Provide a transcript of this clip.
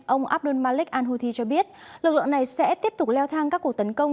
ông abdul malik al houthi cho biết lực lượng này sẽ tiếp tục leo thang các cuộc tấn công